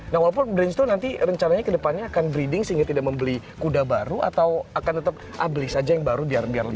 nah walaupun brinstone nanti rencananya ke depannya akan breeding sehingga tidak membeli kuda baru atau akan tetap beli saja yang baru biar lebih